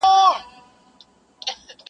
• له خوښیو ټول کشمیر را سره خاندي,